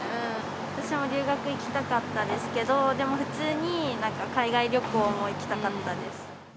私も留学行きたかったですけど、でも普通になんか、海外旅行も行きたかったです。